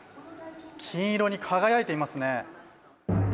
金色に輝いていますね。